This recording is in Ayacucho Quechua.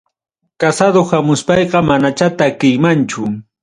Casado hamuspayqa manacha takiymanchu